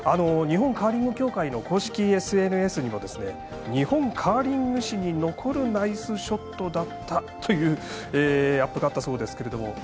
日本カーリング協会の公式ＳＮＳにも日本カーリング史に残るナイスショットだったというアップがあったそうですが。